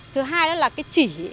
thứ hai đó là cái chỉ